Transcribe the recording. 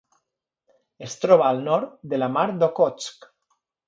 Es troba al nord de la Mar d'Okhotsk.